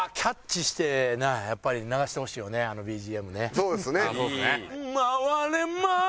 そうですね。